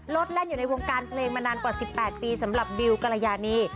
แล่นอยู่ในวงการเพลงมานานกว่า๑๘ปีสำหรับบิวกรยานี